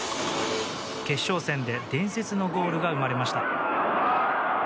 決勝戦で伝説のゴールが生まれました。